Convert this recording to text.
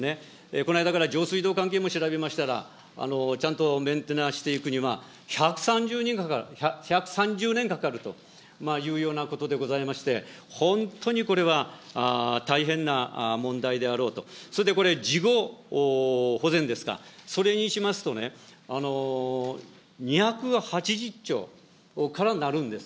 この間から上水道関係も調べましたら、ちゃんとメンテナンスしていくには、１３０年かかるというようなことでございまして、本当にこれは大変な問題であろうと、それでこれ、事後保全ですか、それにしますとね、２８０兆からなるんです。